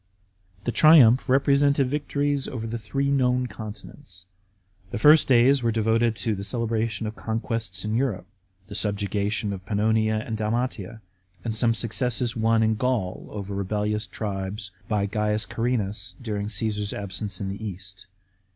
The triumph represented victories over the three known continents. The first days were devoted to the celebration of conquests in Europe; the subjugation of Pannonia and Dalmatia, and some successes won in Gaul over rebellious tribes by C. Carrinas during Cesar's absence in the East.